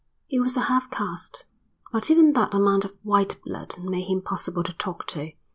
He was a half caste, but even that amount of white blood made him possible to talk to.